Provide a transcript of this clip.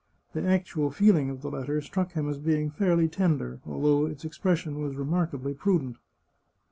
The actual feeling of the letter struck him as being fairly tender, although its expression was remarkably prudent.